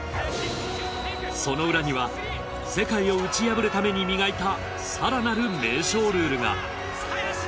その裏には世界を打ち破るために磨いた更なる名将ルールが。